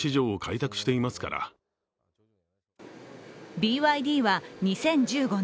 ＢＹＤは２０１５年